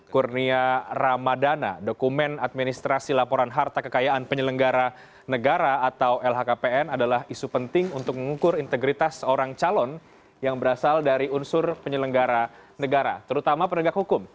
kurnia ramadana dokumen administrasi laporan harta kekayaan penyelenggara negara atau lhkpn adalah isu penting untuk mengukur integritas seorang calon yang berasal dari unsur penyelenggara negara terutama penegak hukum